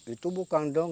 itu bukan dongeng